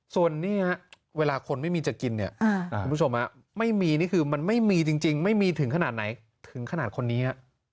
ส่วนนี้เวลาคนไม่มีจะกินเนี่ยคุณผู้ชมไม่มีนี่คือมันไม่มีจริงไม่มีถึงขนาดไหนถึงขนาดคนนี้ฮะ